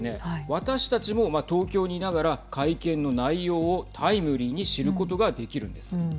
私たちも東京にいながら会見の内容をタイムリーに知ることができるんです。